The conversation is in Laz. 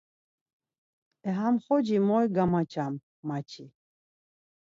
E ham xoci moy gamaçam, ma çi.